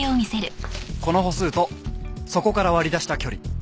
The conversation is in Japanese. この歩数とそこから割り出した距離。